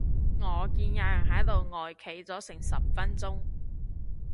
我見有人喺度呆企咗成十分鐘